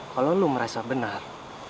kalau lo merasa benar